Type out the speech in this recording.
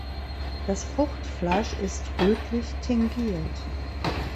Das Fruchtfleisch ist rötlich tingiert.